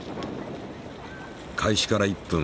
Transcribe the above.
開始から１分。